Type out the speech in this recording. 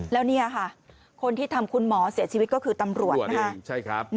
แล้วนี่ค่ะคนที่ทำคุณหมอเสียชีวิตก็คือตำรวจนะคะ